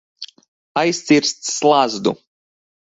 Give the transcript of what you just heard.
Aizcirst slazdu.